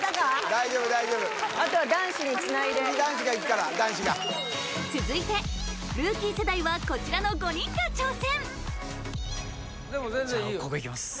大丈夫大丈夫あとは男子につないで次男子がいくから男子が続いてルーキー世代はこちらの５人が挑戦じゃここいきます